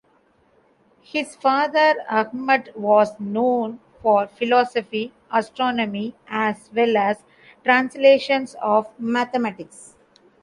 His father Ahmad was known for philosophy, astronomy, as well as translations of mathematics.